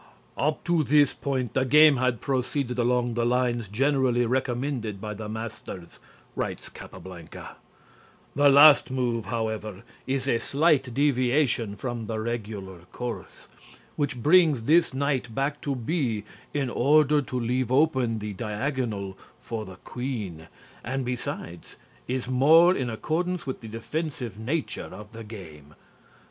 "Up to this point the game had proceeded along the lines generally recommended by the masters," writes Capablanca. "The last move, however, is a slight deviation from the regular course, which brings this Knight back to B in order to leave open the diagonal for the Q, and besides is more in accordance with the defensive nature of the game.